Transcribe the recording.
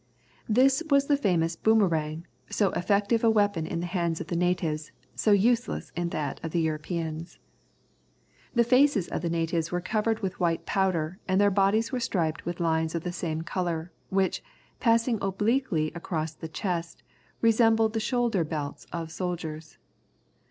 This was the famous "boomerang," so effective a weapon in the hands of the natives, so useless in that of Europeans. The faces of the natives were covered with white powder, their bodies were striped with lines of the same colour, which, passing obliquely across the chest, resembled the shoulder belts of soldiers.